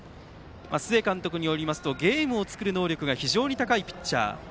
須江監督によりますとゲームを作る能力が非常に高いピッチャー。